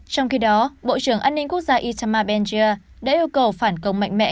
trong khi đó bộ trưởng an ninh quốc gia itamar benjia đã yêu cầu phản công mạnh mẽ